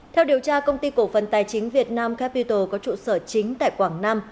theo điều tra công ty cổ phần tài chính việt nam capital có trụ sở chính tại quảng nam